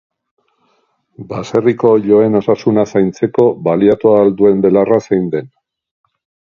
Baserriko oiloen osasuna zaintzeko baliatu ahal duen belarra zein den.